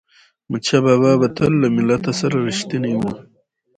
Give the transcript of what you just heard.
احمدشاه بابا به تل له ملت سره رښتینی و.